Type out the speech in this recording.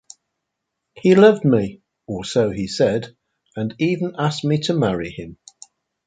He loved me, or so he said, and even asked me to marry him.